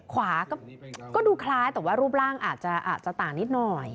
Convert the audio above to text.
ขวาก็ดูคล้ายแต่ว่ารูปร่างอาจจะต่างนิดหน่อย